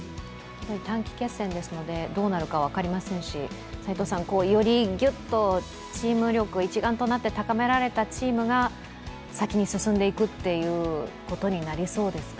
短期決戦ですのでどうなるか分かりませんしよりギュッとチーム力、一丸となって高められたチームが先に進んでいくということになりそうですか。